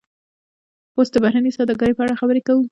اوس د بهرنۍ سوداګرۍ په اړه خبرې کوو